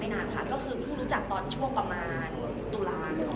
ไม่นานค่ะไม่นานค่ะก็คือรู้จักตอนช่วงประมาณตุลาค์